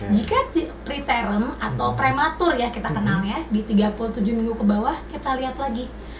jika preterum atau prematur ya kita kenal ya di tiga puluh tujuh minggu ke bawah kita lihat lagi